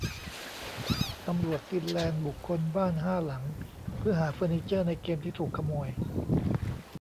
ตำรวจฟินแลนด์บุกค้นบ้านห้าหลังเพื่อหาเฟอร์นิเจอร์ในเกมที่ถูกขโมย